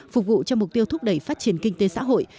phục vụ cho mục tiêu thúc đẩy phát triển kinh tế xã hội